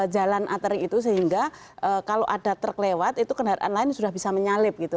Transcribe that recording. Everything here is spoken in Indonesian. jalan ateri itu sehingga kalau ada truk lewat itu kendaraan lain sudah bisa menyalip gitu